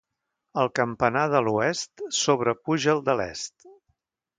El campanar de l'oest sobrepuja el de l'est.